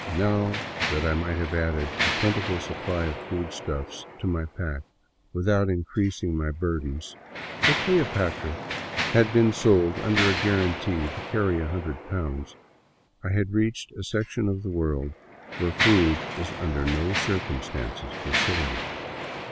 Now that I might have added a plentiful supply of foodstuffs to my pack without increasing my bur dens — for " Cleopatra " had been sold under a guarantee to carry a hundred pounds — I had reached a section of the world where food is under no circumstances for sale.